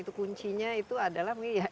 itu kuncinya itu adalah sdm nya itu